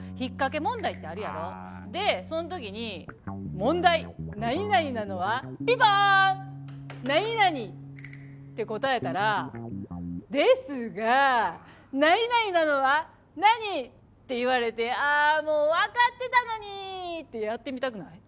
でその時に「問題何々なのは？」「ピンポーン！何々」って答えたら「ですが何々なのは何？」って言われて「ああもうわかってたのに！」ってやってみたくない？